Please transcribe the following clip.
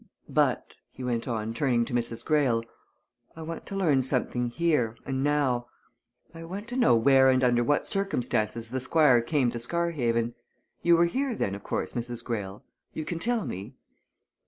But," he went on, turning to Mrs. Greyle, "I want to learn something here and now. I want to know where and under what circumstances the Squire came to Scarhaven. You were here then, of course, Mrs. Greyle? You can tell me?"